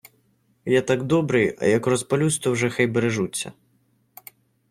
Я так добрий, а як розпалюсь, то вже хай бережуться...